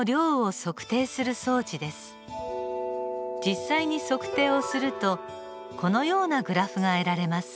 実際に測定をするとこのようなグラフが得られます。